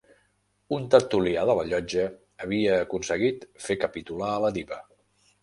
Un tertulià de la llotja, havia aconseguit, fer capitular a la diva